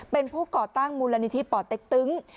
เป็นผู้ก่อตั้งมูลนิธิป่อเต็กตึ้ง